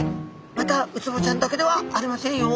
またウツボちゃんだけではありませんよ。